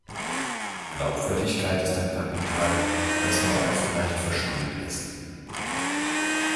Glaubwürdigkeit ist ein Kapital, das nur allzu leicht verspielt ist.